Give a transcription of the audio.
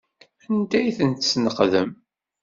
Anda ay ten-tesneqdem?